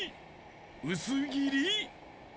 うすぎり？